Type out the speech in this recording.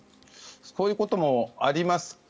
こういうこともあります。